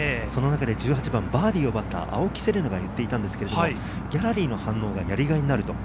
１８番バーディーを奪った青木瀬令奈が言っていたんですが、ギャラリーの反応がやりがいがある。